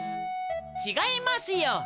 ちがいますよ。